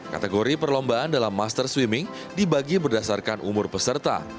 kategori perlombaan dalam master swimming dibagi berdasarkan umur peserta